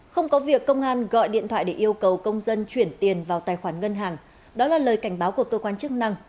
không có việc công an gọi điện thoại để yêu cầu công dân chuyển tiền vào tài khoản ngân hàng đó là lời cảnh báo của cơ quan chức năng